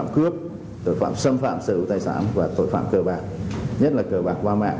cướp tội phạm xâm phạm sở hữu tài sản và tội phạm cơ bạc nhất là cờ bạc qua mạng